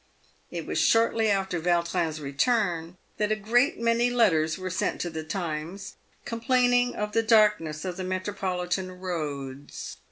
»/ It was shortly after Vautrin's return that a great many letters were sent to the Times, complaining of the darkness of the metropo litan roads.